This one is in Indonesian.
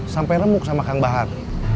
sampai remuk sama kang bahar